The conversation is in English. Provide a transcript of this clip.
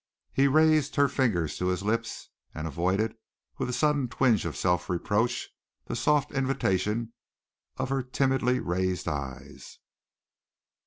He raised her fingers to his lips, and avoided, with a sudden twinge of self reproach, the soft invitation of her timidly raised eyes.